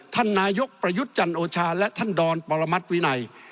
ท่านนายกประยุทธ์จันโอชาและท่านดอนปรมัติวินัย